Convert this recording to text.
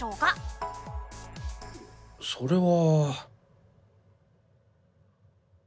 それは。